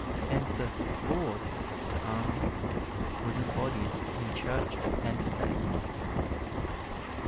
And the "Lord" to Arnold was embodied in Church and State.